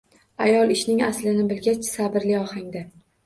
Ayol ishning aslini bilgach, sabrli ohangda